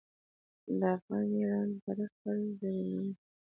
د افغان میړانه د تاریخ پاڼې زرینوي.